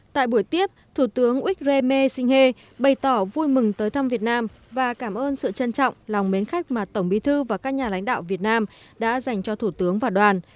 tại buổi tiếp thủ tướng ike singhe bày tỏ vui mừng tới thăm việt nam và cảm ơn sự trân trọng lòng mến khách mà tổng bí thư và các nhà lãnh đạo việt nam đã dành cho thủ tướng và đoàn